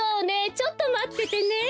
ちょっとまっててね。